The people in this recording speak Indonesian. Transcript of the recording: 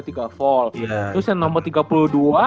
terus yang nomor tiga puluh dua